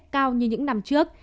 cao như những năm trước